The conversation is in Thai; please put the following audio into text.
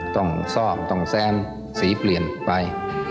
ต้องซ่อมต้องแซมสีเปลี่ยนไป